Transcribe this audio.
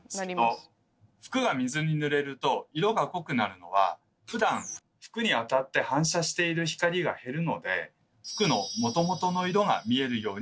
服が水にぬれると色が濃くなるのはふだん服に当たって反射している光が減るので服のもともとの色が見えるようになるからなんです。